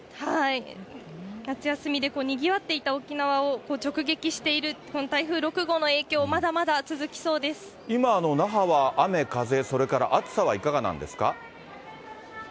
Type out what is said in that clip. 夏休みでにぎわっていた沖縄を直撃している、この台風６号の影響、今、那覇は雨風、それから暑さはいかがなんですか。